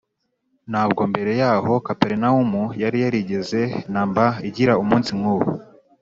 ntabwo mbere yaho kaperinawumu yari yarigeze na mba igira umunsi nk’uwo